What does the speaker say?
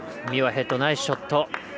ミュアヘッド、ナイスショット。